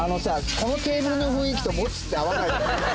このテーブルの雰囲気とモツって合わないよね。